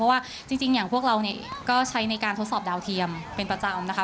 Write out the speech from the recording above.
เพราะว่าจริงอย่างพวกเราก็ใช้ในการทดสอบดาวเทียมเป็นประจำนะครับ